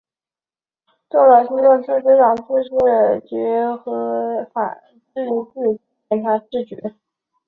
真正做到政治自觉、法治自觉和检察自觉